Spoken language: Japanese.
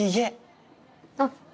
あっ。